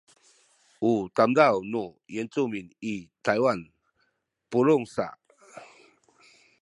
u tademaw nu Yincumin i Taywan pulungen sa